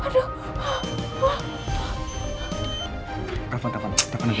tepan tepan tepan lagi